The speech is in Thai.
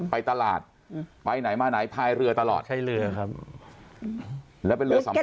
ไปตลาดไปไหนมาไหนพายเรือตลอดใช่เรือครับแล้วเป็นเรือสำคัญ